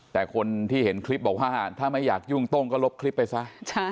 แต่คนที่เห็นคลิปบอกว่าถ้าไม่อยากยุ่งโต้งก็ลบคลิปไปซะ